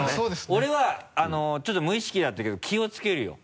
俺はちょっと無意識だったけど気をつけるよ。